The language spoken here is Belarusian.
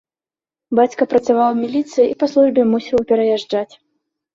Бацька працаваў у міліцыі і па службе мусіў пераязджаць.